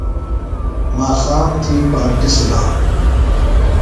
ماخام تھی پانٹیۡ سِلانوۡ۔